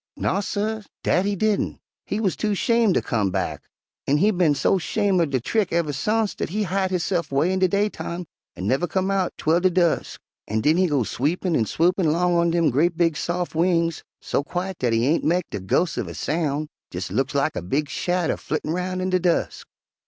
"Naw, suh, dat he didn'. He wuz too 'shame' ter come back, an' he bin so 'shame' er de trick uver sence dat he hide hisse'f way in de daytime an' nuver come out 'twel de dusk, an' den he go sweepin' an' swoopin' 'long on dem gre't big sof' wings, so quiet dat he ain' mek de ghos' uv a soun', jes' looks lak a big shadder flittin' roun' in de dusk.